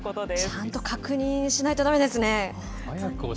ちゃんと確認しないとだめですね。